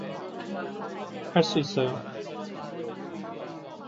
할 수 있어요.